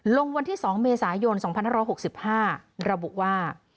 ลงวันที่๒เมษายน๒๕๖๕ระบุว่า